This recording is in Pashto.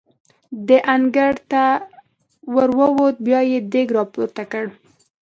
د انګړ ته ور ووتو، بیا یې دېګ را پورته کړ.